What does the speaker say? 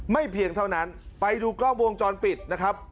เพียงเท่านั้นไปดูกล้องวงจรปิดนะครับ